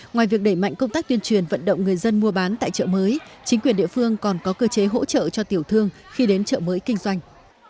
ngoài việc đẩy mạnh công tác tuyên truyền vận động người dân mua bán tại chợ mới chính quyền địa phương còn có cơ chế hỗ trợ cho tiểu thương khi đến chợ mới kinh doanh